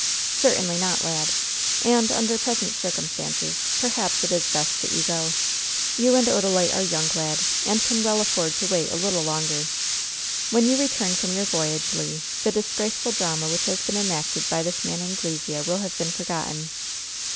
"Certainly not, lad. And, under present circumstances, perhaps it is best that you go. You and Odalite are young, lad, and can well afford to wait a little longer. When you return from your voyage, Le, the disgraceful drama which has been enacted by this man Anglesea will have been forgotten.